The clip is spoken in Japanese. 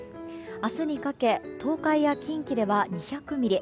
明日にかけ東海や近畿では２００ミリ